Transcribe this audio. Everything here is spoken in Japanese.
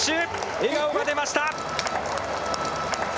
笑顔が出ました。